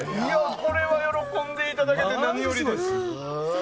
これは喜んでいただけて何よりです。